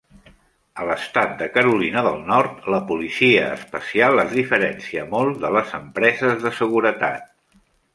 A l'estat de Carolina del Nord, la policia especial es diferencia molt de les empreses de seguretat.